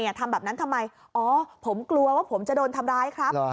ทำแบบนั้นทำไมอ๋อผมกลัวว่าผมจะโดนทำร้ายครับ